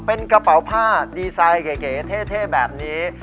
เป็นกระเป๋าผ้าดีไซน์เก๋เท่แบบนี้